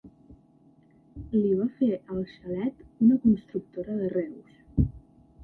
Li va fer el xalet una constructora de Reus.